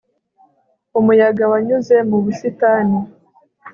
Umuyaga wanyuze mu busitani